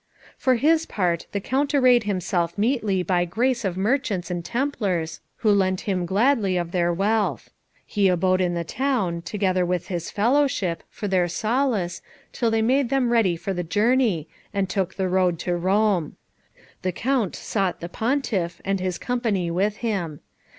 For his part the Count arrayed himself meetly by grace of merchants and Templars, who lent him gladly of their wealth. He abode in the town, together with his fellowship, for their solace, till they made them ready for the journey, and took the road to Rome. The Count sought the Pontiff, and his company with him.